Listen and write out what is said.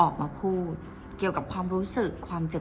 ออกมาพูดเกี่ยวกับความรู้สึกความเจ็บ